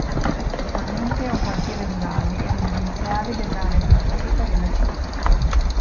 Attualmente è un quartiere rurale e residenziale dell'area periferica della città.